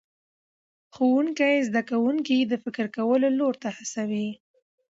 ښوونکی زده کوونکي د فکر کولو لور ته هڅوي